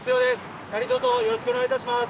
何とぞよろしくお願いいたします。